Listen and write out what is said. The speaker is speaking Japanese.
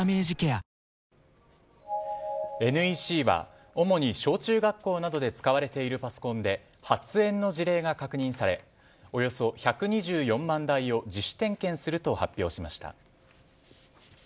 ＮＥＣは、主に小中学校などで使われているパソコンで発煙の事例が確認されおよそ１２４万台を自主点検すると発表しました。